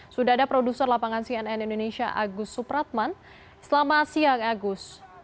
sudah ada produser lapangan cnn indonesia agus supratman selamat siang agus